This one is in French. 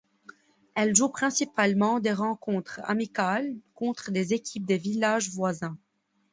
Elle joue principalement des rencontres amicales contre des équipes des villages voisins.